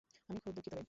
আমি খুব দুঃখিত রে।